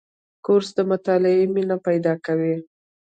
کورس د مطالعې مینه پیدا کوي.